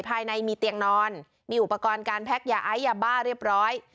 ภายในมีเตียงนอนมีอุปกรณ์การแพ็คยาไอยาบ้าเรียบร้อย